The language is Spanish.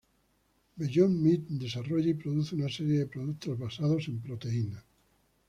Beyond Meat desarrolla y produce una serie de productos basados en proteínas.